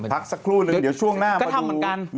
พักสักครู่หนึ่งเดี๋ยวช่วงหน้ามาดู